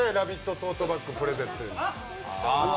トートバッグのプレゼントが。